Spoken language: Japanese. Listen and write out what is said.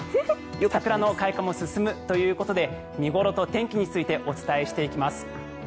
桜の開花も進むということで見頃と天気についてお伝えしていきます。